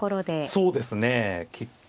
そうですね。